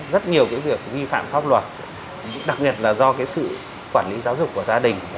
rất nhiều việc vi phạm pháp luật đặc biệt là do sự quản lý giáo dục của gia đình